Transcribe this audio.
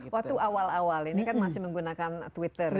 waktu awal awal ini kan masih menggunakan twitter